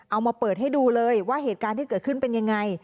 เอามาเปิดให้ดูเลยว่าเหตุการณ์ที่เกิดขึ้นเป็นยังไง